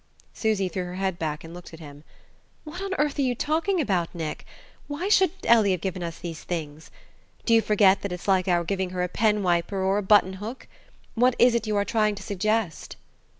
Susy threw her head back and looked at him. "What on earth are you talking about, Nick! Why shouldn't Ellie have given us these things? Do you forget that it's like our giving her a pen wiper or a button hook? What is it you are trying to suggest?"